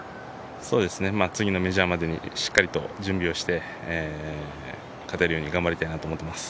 次のメジャーまでにしっかりと準備をして勝てるように頑張りたいなと思っています。